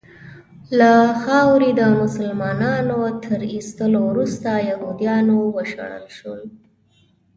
له خاورې د مسلنانو تر ایستلو وروسته یهودیان وشړل شول.